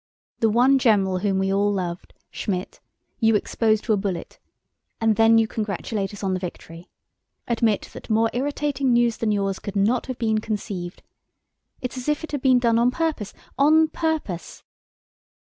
The one general whom we all loved, Schmidt, you expose to a bullet, and then you congratulate us on the victory! Admit that more irritating news than yours could not have been conceived. It's as if it had been done on purpose, on purpose.